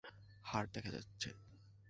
হাড় দেখা যাচ্ছে।